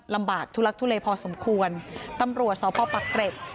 ลำบากทุลักทุเลพอสมควรตำรวจสพปักเกร็ด